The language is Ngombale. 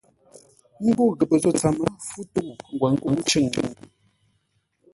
Ńgó ghəpə́ zô tsəm, fú tə̂u ngwǒ nkə̂u ncʉ̂ŋ.